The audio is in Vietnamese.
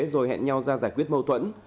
rồi hẹn nhau ra giải quyết mâu thuẫn